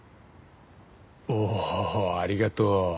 おおありがとう。